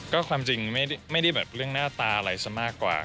ก็ความจริงไม่ได้แบบเรื่องหน้าตาอะไรซะมากกว่า